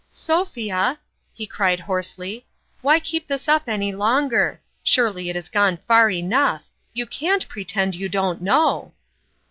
" Sophia ?" he cried hoarsely, " why keep this up any longer? Surely it is gone far enough you carit pretend you don't know!